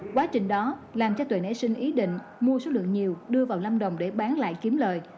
quá trình đó làm cho tuệ nể sinh ý định mua số lượng nhiều đưa vào lâm đồng để bán lại kiếm lợi